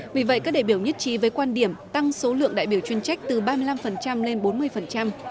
vì vậy các đại biểu nhất trí với quan điểm tăng số lượng đại biểu chuyên trách từ ba mươi năm lên bốn mươi